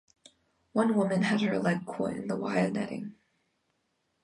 One woman had her leg caught in the wire netting.